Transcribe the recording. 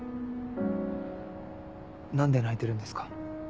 何で泣いてるんですか？